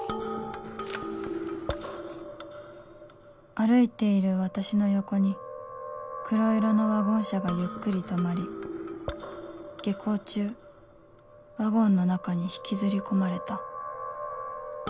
「歩いている私の横に黒色のワゴン車がゆっくり止まり下校中ワゴンの中に引きずり込まれた」